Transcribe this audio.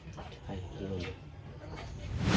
ใช่อันนั้น